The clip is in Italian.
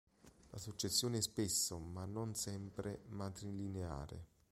La successione è spesso, ma non sempre, matrilineare.